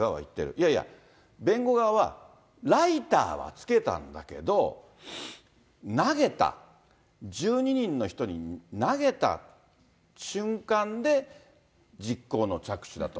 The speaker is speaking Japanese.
いやいや、弁護側は、ライターはつけたんだけど、投げた、１２人の人に投げた瞬間で実行の着手だと。